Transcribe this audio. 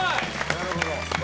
なるほど。